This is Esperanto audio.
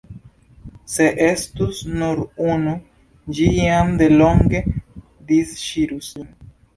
Se estus nur unu, ĝi jam delonge disŝirus lin.